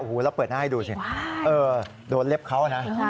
โอ้โหแล้วเปิดหน้าให้ดูสิโดนเล็บเขานะ